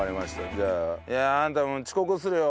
じゃあ。あんたもう遅刻するよ。